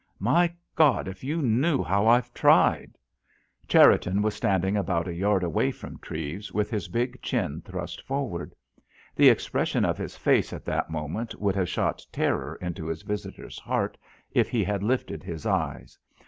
"My God, if you knew how I've tried." Cherriton was standing about a yard away from Treves, with his big chin thrust forward. The expression of his face at that moment would have shot terror into his visitor's heart, if he had lifted his eyes.